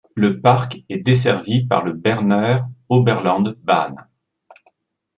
Le parc est desservi par le Berner Oberland-Bahn.